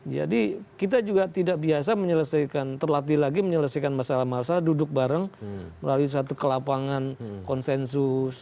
jadi kita juga tidak biasa menyelesaikan terlatih lagi menyelesaikan masalah masalah duduk bareng melalui satu kelapangan konsensus